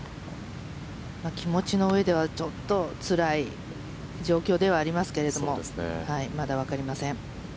気持ちの上ではちょっとつらい状況ではありますけれどもまだわかりません。